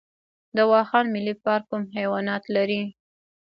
د واخان ملي پارک کوم حیوانات لري؟